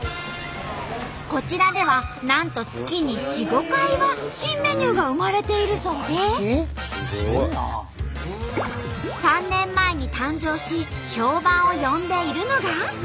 こちらではなんと月に４５回は新メニューが生まれているそうで３年前に誕生し評判を呼んでいるのが。